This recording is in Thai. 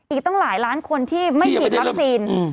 อีกตั้งหลายล้านคนที่ไม่ฉีดวัคซีน